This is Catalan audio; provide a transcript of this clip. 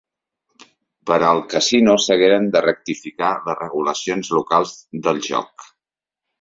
Per al casino s'hagueren de rectificar les regulacions locals del joc.